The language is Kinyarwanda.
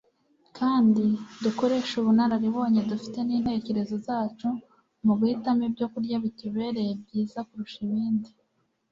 kandi dukoreshe ubunararibonye dufite n'intekerezo zacu mu guhitamo ibyokurya bitubereye byiza kurusha ibindi